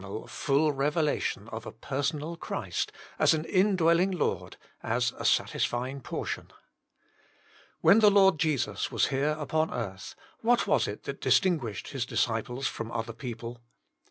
» p Jesus Himself, 27 full revelation of a personal Cbtist as an indwelling Lord, as a satisfying portion. When the Lord Jesus was here upon earth, what was it that dis tinguished His disciples from other people